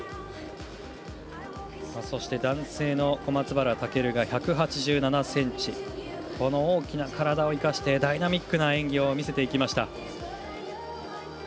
そして男性の小松原尊が１８７ｃｍ大きな体を生かしてダイナミックな演技を見せていきました。